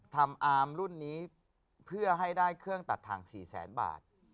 ทำอามรุ่นนี้เพื่อให้ได้เครื่องตัดทาง๔๐๐บาท